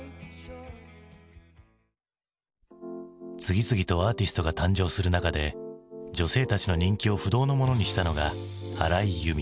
次々とアーティストが誕生する中で女性たちの人気を不動のものにしたのが荒井由実。